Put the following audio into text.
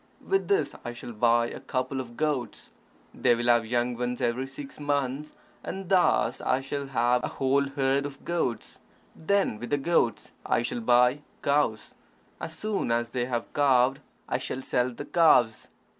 With this I shall buy a couple of goats. They will have young ones every six months, and thus I shall have a whole herd of goats. Then, with the goats, I shall buy cows. As soon as they have calved, I shall sell the calves.